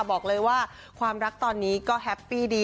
บอกเลยว่าความรักตอนนี้ก็แฮปปี้ดี